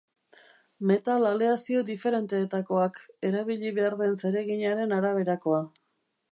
Metal aleazio diferenteetakoak, erabili behar den zereginaren araberakoa.